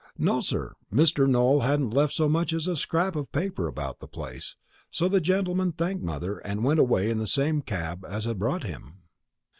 "No, sir; Mr. Nowell hadn't left so much as a scrap of paper about the place. So the gentleman thanked mother, and went away in the same cab as had brought him."